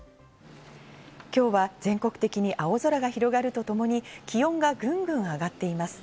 今日は全国的に青空が広がるとともに気温がぐんぐん上がっています。